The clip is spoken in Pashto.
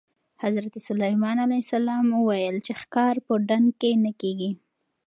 حضرت سلیمان علیه السلام وویل چې ښکار په ډنډ کې نه کېږي.